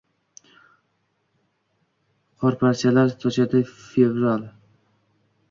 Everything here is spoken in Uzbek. Qorparchalar sochadi fevralь.